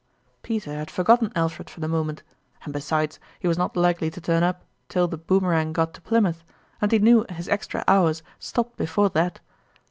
Peter had forgotten Alfred for the moment ; and besides, he was not likely to turn up till the Boomerang got to Plymouth, and he knew his extra hours stopped before that.